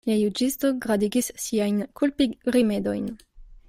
La juĝisto gradigis siajn kulpigrimedojn.